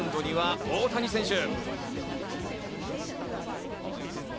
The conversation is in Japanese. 初回、マウンドには大谷選手。